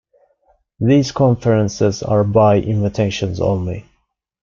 These conferences are by invitation only.